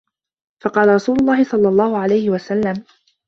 فَقَالَ رَسُولُ اللَّهِ صَلَّى اللَّهُ عَلَيْهِ وَسَلَّمَ